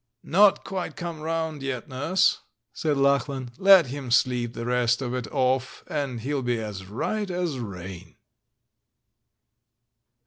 '* "Not quite come round yet. Nurse," said Lachlan; "let him sleep the rest of it off, and he'll be as right as rain!"